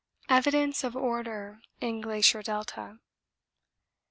Evidence of order in glacier delta.